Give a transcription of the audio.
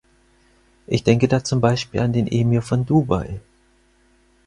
Ich denke da zum Beispiel an den Emir von Dubai.